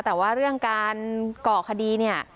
แต่ว่าเรื่องการก่อคดีเนี่ย